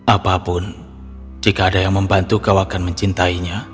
apapun jika ada yang membantu kau akan mencintainya